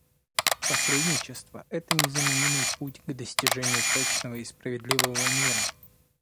Посредничество — это незаменимый путь к достижению прочного и справедливого мира.